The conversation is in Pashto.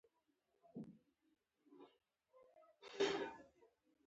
حضرت محمد ص د ټول بشریت د لارښودنې لپاره را استول شوی دی.